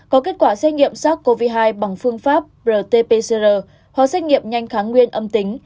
có kết quả xét nghiệm sars cov hai bằng phương pháp rt pcr có xét nghiệm nhanh kháng nguyên âm tính